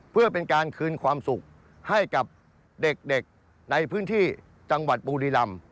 เพื่อเป็นการคืนความสุขให้กับเด็กในพื้นที่จังหวัดบุรีรำ